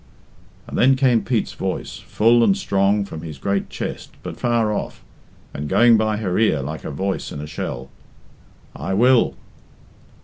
And then came Pete's voice, full and strong from his great chest, but far off, and going by her ear like a voice in a shell "I will."